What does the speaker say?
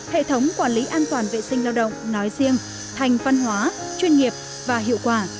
hệ thống quản lý an toàn vệ sinh lao động nói riêng thành văn hóa chuyên nghiệp và hiệu quả